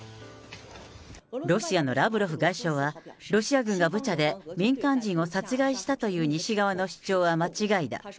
ロシアのラブロフ外相は、ロシア軍がブチャで民間人を殺害したという西側の主張は間違いだ。